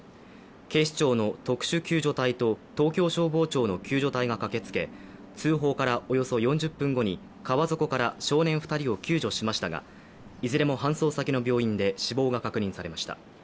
警視庁の特殊救助隊と東京消防庁の救助隊が駆けつけ通報からおよそ４０分後に川底から少年２人を救助しましたがいずれも搬送先の病院で死亡が確認されました。